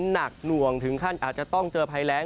หนักหน่วงถึงขั้นอาจจะต้องเจอภัยแรง